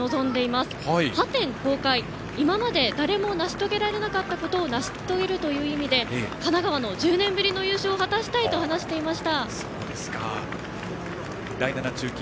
その文字は、今まで誰も成し遂げられなかったことを成し遂げるということで神奈川の１０年ぶりの出場を果たしたいと話していました。